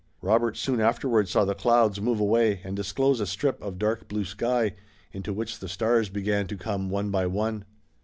Robert soon afterward saw the clouds move away, and disclose a strip of dark blue sky, into which the stars began to come one by one.